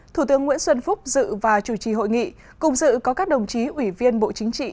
thủ tướng nguyễn xuân phúc dự và chủ trì hội nghị cùng dự có các đồng chí ủy viên bộ chính trị